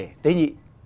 vấn đề tế nhị